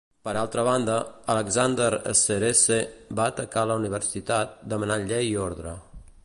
Per altra banda, Alexander Sceresse va atacar la Universitat, demanant llei i ordre.